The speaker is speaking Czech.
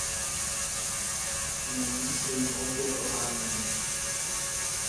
Nyní se jím opět oháníme.